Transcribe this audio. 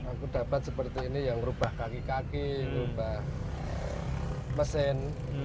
aku dapat seperti ini yang merubah kaki kaki merubah mesin